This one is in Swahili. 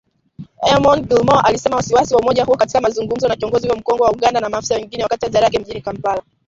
Eamon Gilmore alisema wasi-wasi wa umoja huo, katika mazungumzo na kiongozi huyo mkongwe wa Uganda na maafisa wengine wakati wa ziara yake mjini kampala